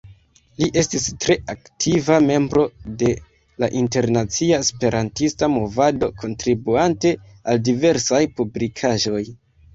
Li estis tre aktiva membro de la internacia esperantista movado, kontribuante al diversaj publikaĵoj.